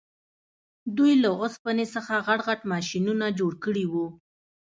دوی له اوسپنې څخه غټ غټ ماشینونه جوړ کړي وو